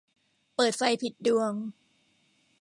เปิดไฟผิดดวง